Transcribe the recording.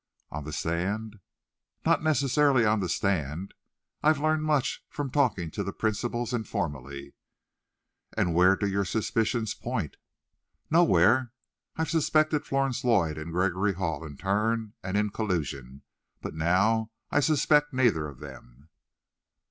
"On the stand?" "Not necessarily on the stand. I've learned much from talking to the principals informally." "And where do your suspicions point?" "Nowhere. I've suspected Florence Lloyd and Gregory Hall, in turn, and in collusion; but now I suspect neither of them."